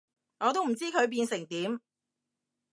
我都唔知佢變成點